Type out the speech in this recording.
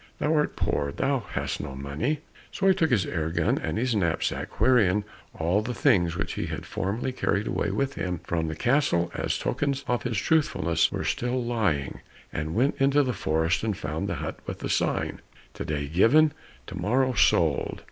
Thou art poor, and hast no money." So he took his air gun and his knapsack, wherein all the things which he had formerly carried away with him from the castle as tokens of his truthfulness were still lying, and went into the forest, and found the hut with the sign, "To day given, to morrow sold."